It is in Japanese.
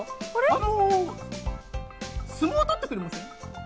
あの、相撲とってくれます？